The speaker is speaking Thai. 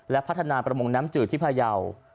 และพัฒนาประมงน้ำจืดที่พยาว